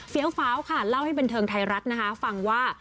ฟ้าวค่ะเล่าให้บันเทิงไทยรัฐนะคะฟังว่า